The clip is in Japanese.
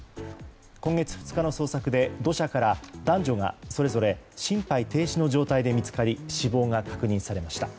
今月２日の捜索で土砂から男女がそれぞれ心肺停止の状態で見つかり死亡が確認されました。